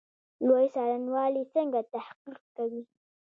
لوی څارنوالي څنګه تحقیق کوي؟